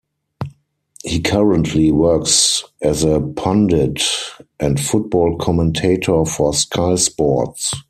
He currently works as a pundit and football commentator for Sky Sports.